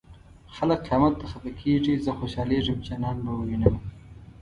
خلک قيامت ته خفه کيږي زه خوشالېږم چې جانان به ووينمه